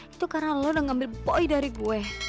itu karena lo udah ngambil poi dari gue